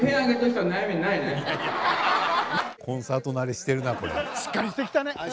しっかりしてきたね。